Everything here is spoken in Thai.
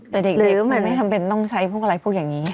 แต่เด็กมันไม่จำเป็นต้องใช้พวกอะไรพวกอย่างนี้